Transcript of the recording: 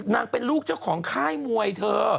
นางเป็นลูกเจ้าของค่ายมวยเธอ